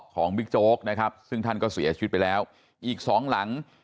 บิ๊กโจ๊กนะครับซึ่งท่านก็เสียชีวิตไปแล้วอีกสองหลัง